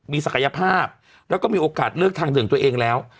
มีศักยภาพแล้วก็มีโอกาสเลือกทางหนึ่งตัวเองแล้ว